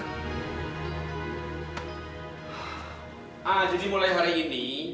jadi mulai hari ini